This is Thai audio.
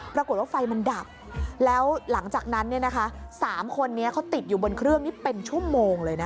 ปรากฏว่าไฟมันดับแล้วหลังจากนั้น๓คนนี้เขาติดอยู่บนเครื่องนี้เป็นชั่วโมงเลยนะคะ